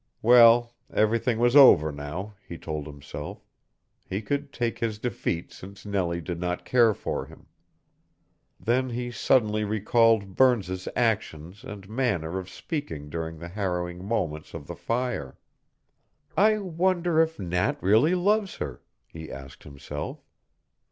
Well, everything was over now, he told himself. He could take his defeat since Nellie did not care for him. Then he suddenly recalled Burns's actions and manner of speaking during the harrowing moments of the fire. "I wonder if Nat really loves her?" he asked himself.